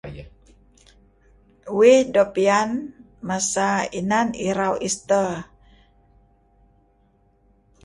uih do pian masa inan irau ester